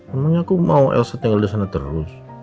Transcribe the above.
emangnya aku mau elsa tinggal disana terus